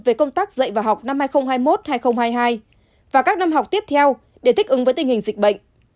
về công tác dạy và học năm hai nghìn hai mươi một hai nghìn hai mươi hai và các năm học tiếp theo để thích ứng với tình hình dịch bệnh